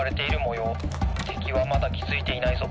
てきはまだきづいていないぞ。